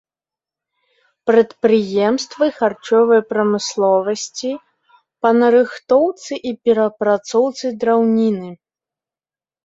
Прадпрыемствы харчовай прамысловасці, па нарыхтоўцы і перапрацоўцы драўніны.